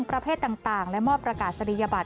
ประเภทต่างและมอบประกาศนียบัตร